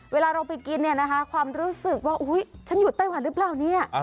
เวลาเราไปกินเนี่ยนะคะความรู้สึกว่าอุ๊ยฉันอยู่ไต้หวันหรือเปล่าเนี่ย